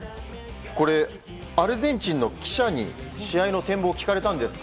これ、アルゼンチンの記者に試合の展望を聞かれたんですか？